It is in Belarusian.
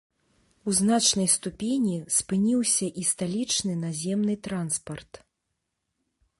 У значнай ступені спыніўся і сталічны наземны транспарт.